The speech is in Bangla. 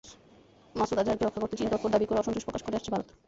মাসুদ আজহারকে রক্ষা করতে চীন তৎপর দাবি করে অসন্তোষ প্রকাশ করে আসছে ভারত।